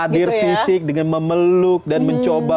hadir fisik dengan memeluk dan mencoba